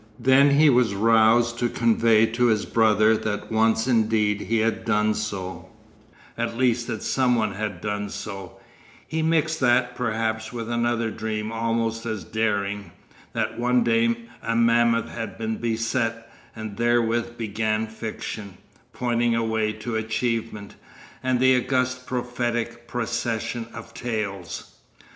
Then he was roused to convey to his brother that once indeed he had done so—at least that some one had done so—he mixed that perhaps with another dream almost as daring, that one day a mammoth had been beset; and therewith began fiction—pointing a way to achievement—and the august prophetic procession of tales.